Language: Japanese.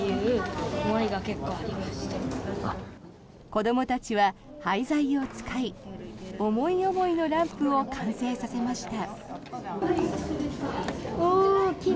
子供たちは、廃材を使い思い思いのランプを完成させました。